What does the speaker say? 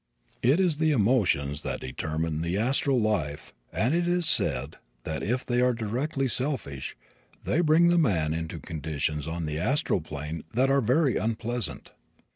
It is the emotions that determine the astral life and it is said that if they are directly selfish they bring the man into conditions on the astral plane that are very unpleasant.